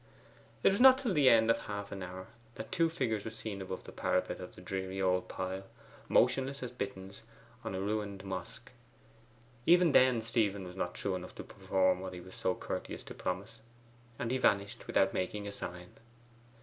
It was not till the end of half an hour that two figures were seen above the parapet of the dreary old pile, motionless as bitterns on a ruined mosque. Even then Stephen was not true enough to perform what he was so courteous to promise, and he vanished without making a sign.